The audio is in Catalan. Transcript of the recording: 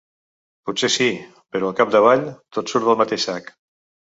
Potser sí, però al capdavall, tot surt del mateix sac.